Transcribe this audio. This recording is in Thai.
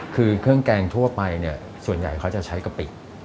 คือเครื่องแกงทั่วไปเนี่ยส่วนใหญ่เขาจะใช้กะปิ